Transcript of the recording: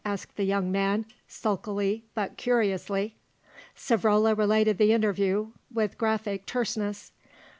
asked the young man, sulkily but curiously. Savrola related the interview with graphic terseness.